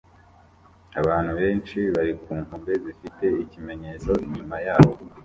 Abantu benshi bari ku nkombe zifite ikimenyetso inyuma yabo